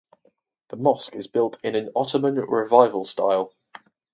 The mosque is built in an Ottoman revival style.